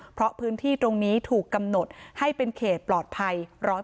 เพราะพื้นที่ตรงนี้ถูกกำหนดให้เป็นเขตปลอดภัย๑๐